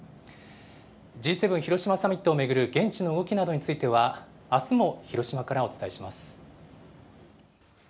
Ｇ７広島サミットを巡る現地の動きなどについては、あすも広島からお伝えします。